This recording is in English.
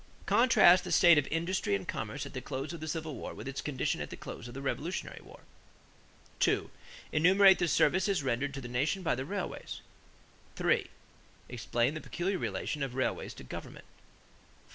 Contrast the state of industry and commerce at the close of the Civil War with its condition at the close of the Revolutionary War. 2. Enumerate the services rendered to the nation by the railways. 3. Explain the peculiar relation of railways to government. 4.